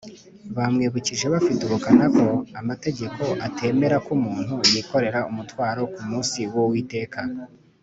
. Bamwibukije bafite ubukana ko amategeko atemera ko umuntu yikorera umutwaro ku munsi w’Uwiteka